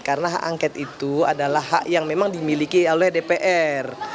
karena hak angket itu adalah hak yang memang dimiliki oleh dpr